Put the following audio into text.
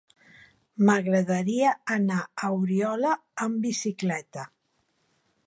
M'agradaria anar a Oriola amb bicicleta.